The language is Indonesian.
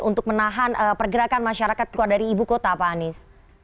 untuk menahan pergerakan masyarakat keluar dari ibu kota pak anies